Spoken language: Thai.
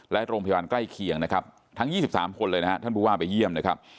และโรงพยาบาลใกล้เคียงนะครับทั้ง๒๓คนเลยนะฮะท่านผู้ว่าไปเยี่ยมนะครับ